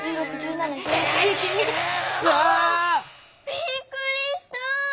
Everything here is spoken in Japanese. びっくりした！